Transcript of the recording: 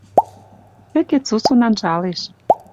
Вӹкет сусун анжалеш.